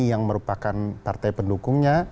yang merupakan partai pendukungnya